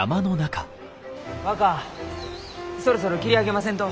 若そろそろ切り上げませんと。